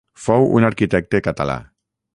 Fou un arquitecte català.